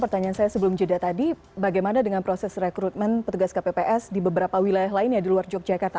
pertanyaan saya sebelum jeda tadi bagaimana dengan proses rekrutmen petugas kpps di beberapa wilayah lainnya di luar yogyakarta